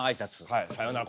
はい「さようなら」